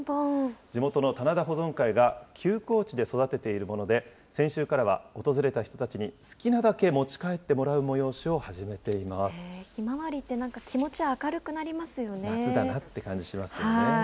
地元の棚田保存会が休耕地で育てているもので、先週からは訪れた人たちに、好きなだけ持ち帰ひまわりって、なんか気持ち、夏だなって感じしますよね。